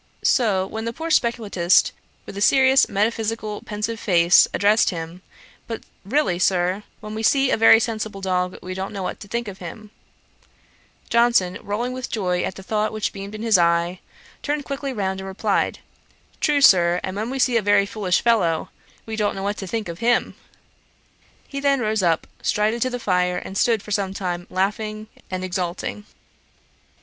So, when the poor speculatist, with a serious metaphysical pensive face, addressed him, 'But really, Sir, when we see a very sensible dog, we don't know what to think of him;' Johnson, rolling with joy at the thought which beamed in his eye, turned quickly round, and replied, 'True, Sir: and when we see a very foolish fellow, we don't know what to think of him.' He then rose up, strided to the fire, and stood for some time laughing and exulting.